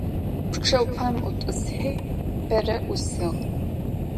Pçe 'upem Ut'ıshi bere 'usığ.